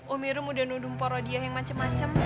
umi rom udah nuduh poro dia yang macem macem